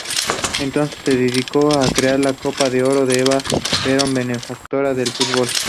Entonces se decidió crear la Copa de Oro Eva Perón Benefactora del Fútbol.